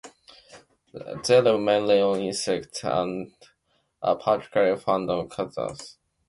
They live mainly on insects and are particularly fond of cutworms.